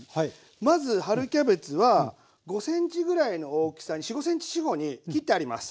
まず春キャベツは５ｃｍぐらいの大きさに４５ｃｍ四方に切ってあります。